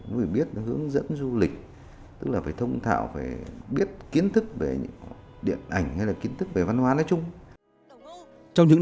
mới phải biết hướng dẫn du lịch tức là phải thông thạo phải biết kiến thức về điện ảnh hay là kiến thức về văn hóa nói chung